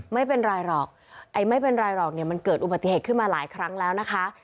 ไม่เป็นไรหรอกไอ้ไม่เป็นไรหรอกเนี่ยมันเกิดอุบัติเหตุขึ้นมาหลายครั้งแล้วนะคะ